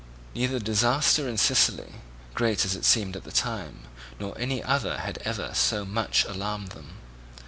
Neither the disaster in Sicily, great as it seemed at the time, nor any other had ever so much alarmed them.